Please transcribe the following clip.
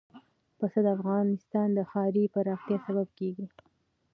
پسه د افغانستان د ښاري پراختیا سبب کېږي.